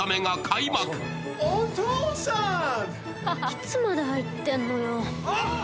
いつまで入ってんのよあっ！